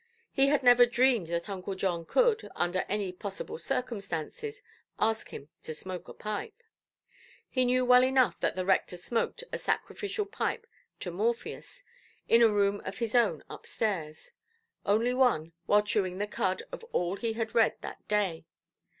He had never dreamed that Uncle John could, under any possible circumstances, ask him to smoke a pipe. He knew well enough that the rector smoked a sacrificial pipe to Morpheus, in a room of his own up–stairs; only one, while chewing the cud of all he had read that day.